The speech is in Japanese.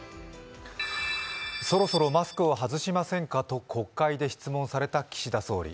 そろそろマスクを外しませんかと国会で質問された岸田総理。